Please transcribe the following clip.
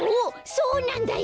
そうなんだよ。